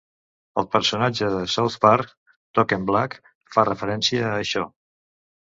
El personatge de "South Park", Token Black, fa referència a això.